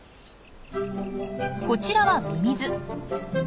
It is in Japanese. こちらはミミズ。